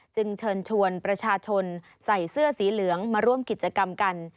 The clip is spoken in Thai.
เชิญชวนประชาชนใส่เสื้อสีเหลืองมาร่วมกิจกรรมกัน